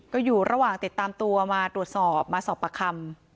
ก็อยู่ระหว่างติดตามตัวมาตรวจสอบมาสอบประคำ